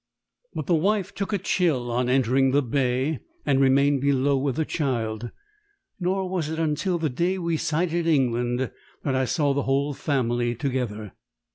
But the wife took a chill on entering the Bay, and remained below with the child; nor was it until the day we sighted England that I saw the whole family together.